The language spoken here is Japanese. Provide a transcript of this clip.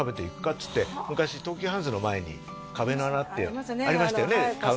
っつって昔東急ハンズの前に壁の穴っていうのありましたよねはいパスタ